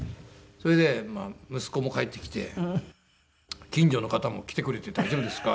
それで息子も帰ってきて近所の方も来てくれて「大丈夫ですか？」